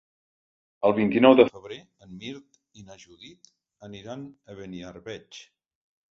El vint-i-nou de febrer en Mirt i na Judit aniran a Beniarbeig.